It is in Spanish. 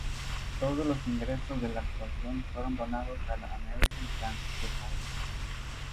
Todos los ingresos de la actuación fueron donados a la American Cancer Society.